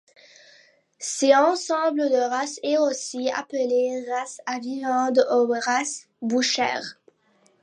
Cet ensemble de races est aussi appelé races à viande ou races bouchères.